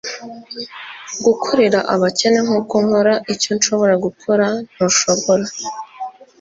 gukorera abakene nkuko nkora, icyo nshobora gukora, ntushobora